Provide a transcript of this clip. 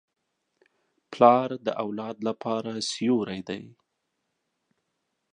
پلار د اولاد لپاره سیوری دی.